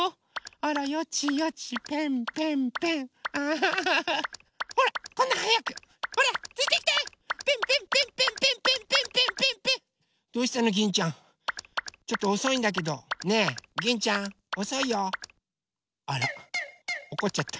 あらおこっちゃった。